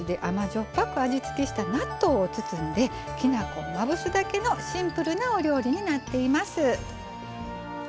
っぱく味付けした納豆を包んできな粉をまぶすだけのシンプルなお料理になっています。